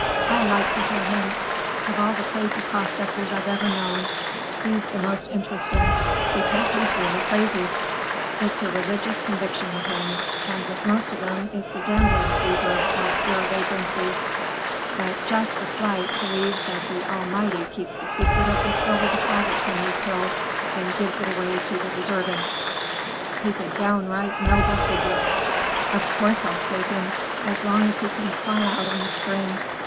I like to hear him. Of all the crazy prospectors I've ever known, he's the most interesting, because he's really crazy. It's a religious conviction with him, and with most of 'em it's a gambling fever or pure vagrancy. But Jasper Flight believes that the Almighty keeps the secret of the silver deposits in these hills, and gives it away to the deserving. He's a downright noble figure. Of course I'll stake him! As long as he can crawl out in the spring.